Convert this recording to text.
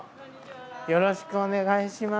よろしくお願いします。